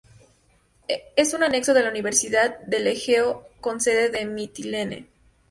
Es un anexo de la Universidad del Egeo con sede en Mitilene.